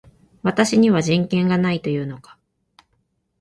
私には人権がないと言うのか